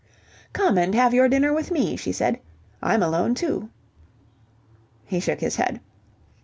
"Come and have your dinner with me," she said. "I'm alone too." He shook his head.